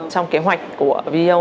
trong kế hoạch của veo